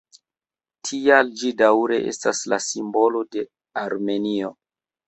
Tial ĝi daŭre estas la simbolo de Armenio.